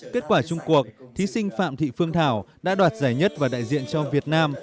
kết quả chung cuộc thí sinh phạm thị phương thảo đã đoạt giải nhất và đại diện cho việt nam